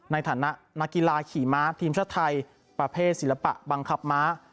ในฐานะนักกีฬาขี่ม้าทีมชาติไทยประเภทศิลปะบังคับม้า